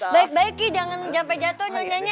baik baik ii jangan sampai jatoh nyonya